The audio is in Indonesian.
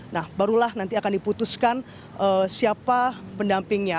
nah barulah nanti akan diputuskan siapa pendampingnya